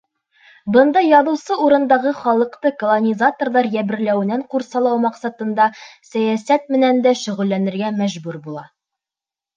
Бында яҙыусы урындағы халыҡты колонизаторҙар йәберләүенән ҡурсалау маҡсатында сәйәсәт менән дә шөғөлләнергә мәжбүр була.